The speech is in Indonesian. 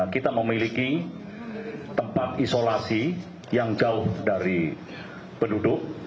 kita memiliki tempat isolasi yang jauh dari penduduk